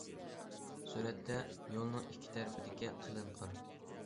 سۈرەتتە: يولنىڭ ئىككى تەرىپىدىكى قېلىن قار.